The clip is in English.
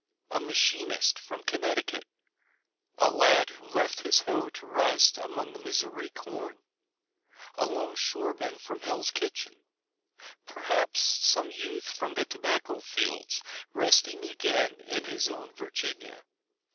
A machinist from Connecticut? A lad who left his hoe to rust among the Missouri corn? A longshoreman from Hell's Kitchen? Perhaps some youth from the tobacco fields, resting again in his own Virginia.